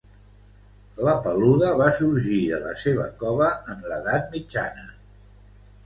La Peluda va sorgir de la seva cova en l'edat mitjana.